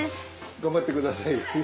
頑張ってください。